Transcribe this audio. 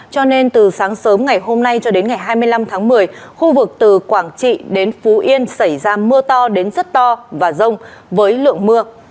cho nên từ sáng sớm ngày hôm nay cho đến ngày hai mươi năm tháng một mươi khu vực từ quảng trị đến phú yên xảy ra mưa to đến rất to và rông với lượng mưa